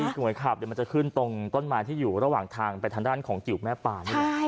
สุดขอบเลยจะขึ้นตรงต้นไม้ที่อยู่ระหว่างทางไปทางด้านของจิ๋วแม่ป่า